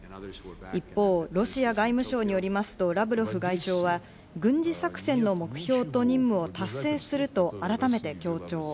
一方、ロシア外務省によりますと、ラブロフ外相は軍事作戦の目標と任務を達成すると改めて強調。